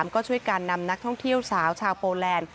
ก็ช่วยการนำนักท่องเที่ยวสาวชาวโปแลนด์